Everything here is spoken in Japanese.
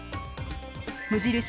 無印